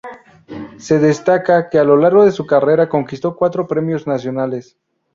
Se destaca que a lo largo de su carrera conquistó cuatro premios nacionales.